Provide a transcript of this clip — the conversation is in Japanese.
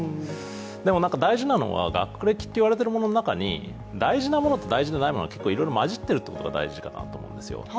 大事なのは学歴と言われているものの中に、大事なものと大事じゃないものがいろいろと混じっていることが大事なのかなと思うんですよ